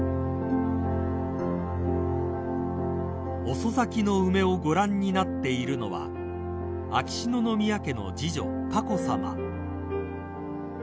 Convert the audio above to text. ［遅咲きの梅をご覧になっているのは秋篠宮家の次女佳子さま］